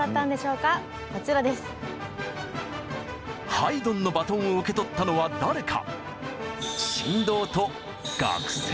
ハイドンのバトンを受け取ったのは誰か？